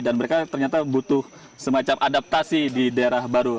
dan mereka ternyata butuh semacam adaptasi di daerah baru